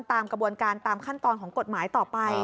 ตามกระบวนการตามขั้นตอนของกฎหมายต่อไป